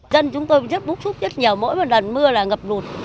dân chúng tôi rất bức xúc rất nhiều mỗi lần mưa là ngập nụt